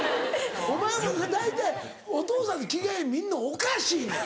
お前も大体お父さんの着替え見んのおかしいねん。